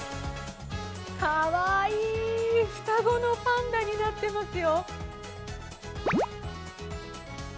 かわいい、双子のパンダになっていますよ。